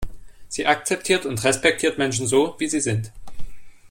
Sie akzeptiert und respektiert Menschen so, wie sie sind.